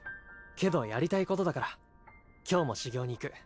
けどやりたいことだから今日も修業に行く。